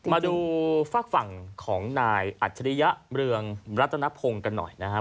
มาดูฝากฝั่งของนายอัจฉริยะเมืองรัตนพงศ์กันหน่อยนะครับ